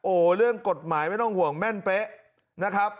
โอ้โหเรื่องกฎหมายไม่ต้องห่วงแม่นเป๊ะนะครับ